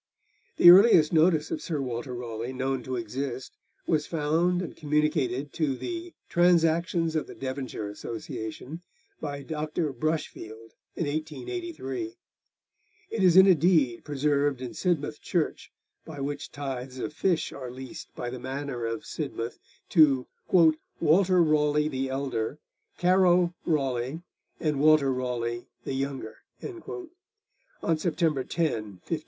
The earliest notice of Sir Walter Raleigh known to exist was found and communicated to the Transactions of the Devonshire Association by Dr. Brushfield in 1883. It is in a deed preserved in Sidmouth Church, by which tithes of fish are leased by the manor of Sidmouth to 'Walter Rawlegh the elder, Carow Ralegh, and Walter Ralegh the younger,' on September 10, 1560.